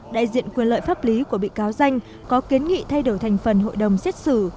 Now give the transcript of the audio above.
đại diện quyền lợi pháp lý của bị cáo danh có kiến nghị thay đổi thành phần hội đồng xét xử